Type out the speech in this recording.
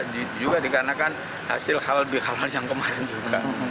juga dikarenakan hasil hal hal yang kemarin juga